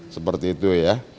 seperti itu ya